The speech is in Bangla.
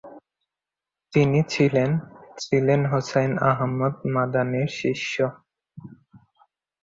তিনি ছিলেন ছিলেন হোসাইন আহমদ মাদানীর শিষ্য।